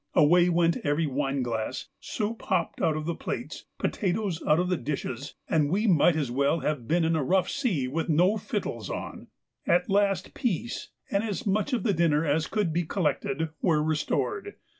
Away went every wine glass, soup hopped out of the plates, potatoes out of the dishes, and we might as well have been in a rough sea with no fiddles on. At last peace, and as much of the dinner as could be collected, were restored.